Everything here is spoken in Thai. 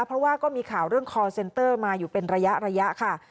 เพราะว่าก็มีข่าวเรื่องคอร์เซ็นเตอร์มาอยู่เป็นระยะค่ะ